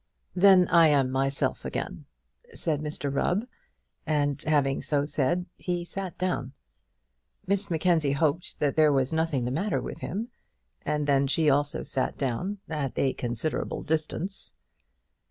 "Then I am myself again," said Mr Rubb; and having so said, he sat down. Miss Mackenzie hoped that there was nothing the matter with him, and then she also sat down at a considerable distance.